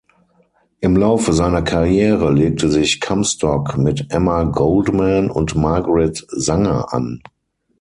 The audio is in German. Im Laufe seiner Karriere legte sich Comstock mit Emma Goldman und Margaret Sanger an.